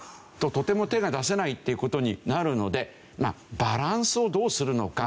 とても手が出せないっていう事になるのでバランスをどうするのか。